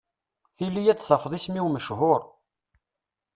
Tili ad tafeḍ isem-iw mechur.